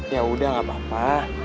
yaudah gak apa apa